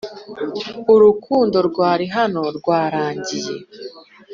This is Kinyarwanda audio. urukundo rwari hano rwaragiye